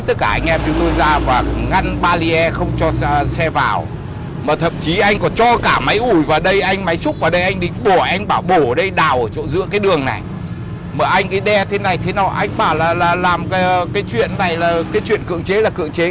thế nào anh bảo là làm cái chuyện này là cái chuyện cưỡng chế là cưỡng chế